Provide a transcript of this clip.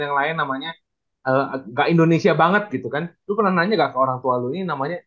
yang lain namanya indonesia banget gitu kan itu pernah nanya ke orang tua nuti namanya